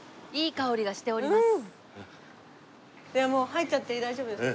もう入っちゃって大丈夫ですか？